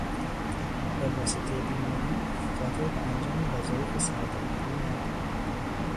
به واسطهی بیماری قادر به انجام وظایف سردبیری نبود.